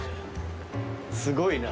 すごいな。